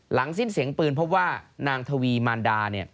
หลังสิ้นเสียงปืนเพราะว่านางทวีมารดาเนี่ย